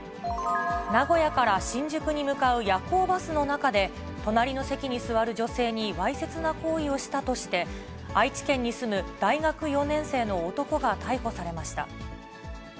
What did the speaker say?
名古屋から新宿に向かう夜行バスの中で、隣の席に座る女性にわいせつな行為をしたとして、愛知県に住む大学４年生の男が逮捕されました。